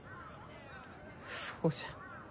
そうじゃ。